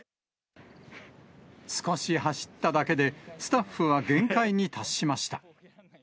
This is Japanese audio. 少し走っただけで、スタッフは限界に達しました。